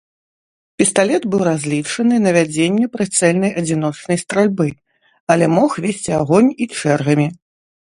Пісталет быў разлічаны на вядзенне прыцэльнай адзіночнай стральбы, але мог весці агонь і чэргамі.